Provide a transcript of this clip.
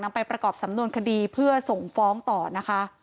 ไปประกอบสำนวนคดีเพื่อส่งฟ้องต่อนะคะ